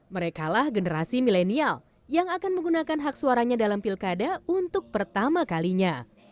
merekalah generasi milenial yang akan menggunakan hak suaranya dalam pilkada untuk pertama kalinya